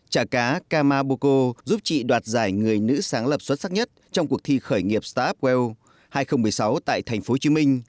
trà cá camoboco giúp chị đoạt giải người nữ sáng lập xuất sắc nhất trong cuộc thi khởi nghiệp startup well hai nghìn một mươi sáu tại tp hcm